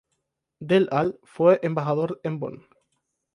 Del al fue embajador en Bonn.